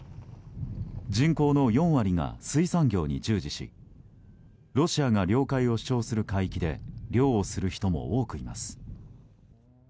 人口の４割が水産業に従事しロシアが領海を主張する海域で漁をする人も多くいます。